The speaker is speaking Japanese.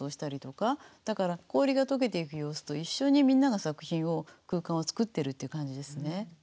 だから氷が解けていく様子と一緒にみんなが作品を空間を作ってるっていう感じですね。